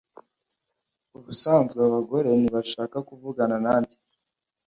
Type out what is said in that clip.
Ubusanzwe abagore ntibashaka kuvugana nanjye